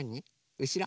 うしろ？